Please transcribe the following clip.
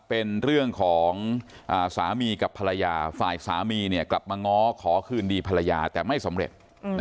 เป็นเรื่องของสามีกับภรรยาฝ่ายสามีกลับมาง้อขอคืนดีภรรยาแต่ไม่สำเร็จ